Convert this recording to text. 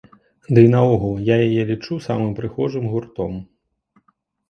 Дый наогул я яе лічу самым прыгожым гуртом.